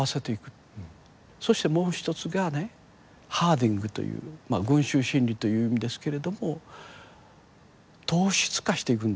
そしてもう一つがねハーディングという群集心理という意味ですけれども等質化していくんですよ。